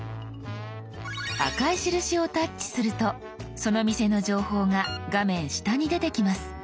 赤い印をタッチするとその店の情報が画面下に出てきます。